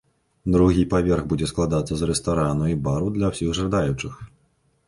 Другі паверх будзе складацца з рэстарану і бару для ўсіх жадаючых.